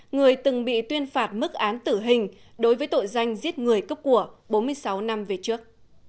người từng bị tuyên phạt mức án tử hình đối với tội danh giết người cấp của bốn mươi sáu năm về trước